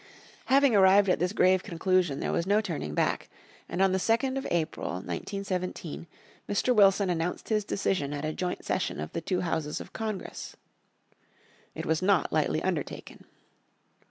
Having arrived at this grave conclusion there was no turning back, and on the 2nd April, 1917, Mr. Wilson announced his decision at a joint session of the two houses of Congress. It was not lightly undertaken.